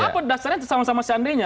apa dasarnya sama sama seandainya